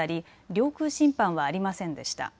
領空侵犯はありませんでした。